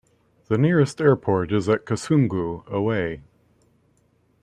The nearest airport is at Kasungu, away.